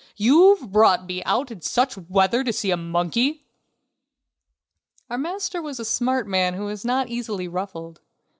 "You've brought me out in such weather to see a monkey!..." Our master was a smart man who was not easily ruffled.